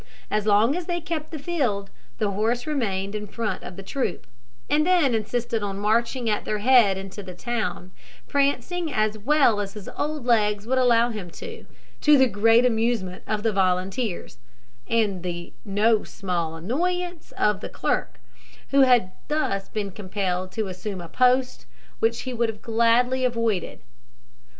As long as they kept the field, the horse remained in front of the troop; and then insisted on marching at their head into the town, prancing as well as his old legs would allow him, to the great amusement of the volunteers, and the no small annoyance of the clerk, who had thus been compelled to assume a post he would gladly have avoided.